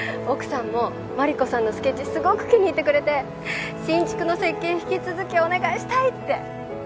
奥さんも万里子さんのスケッチすごく気に入ってくれて新築の設計引き続きお願いしたいって。